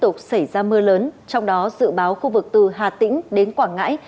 tục xảy ra mưa lớn trong đó dự báo khu vực từ hà tĩnh đến quảng ngãi